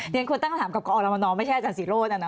เรียกควรตั้งคำถามกับกรรมนอมไม่ใช่อาจารย์สิโรน